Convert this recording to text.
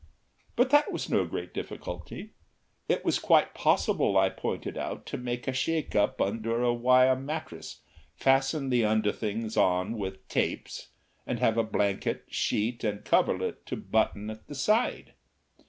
But that was no great difficulty. It was quite possible, I pointed out, to make a shake up under a wire mattress, fasten the under things on with tapes, and have a blanket, sheet, and coverlet to button at the side.